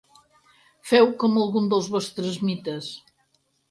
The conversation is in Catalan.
Feu com algun dels vostres mites.